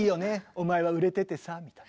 お前は売れててさ」みたいな。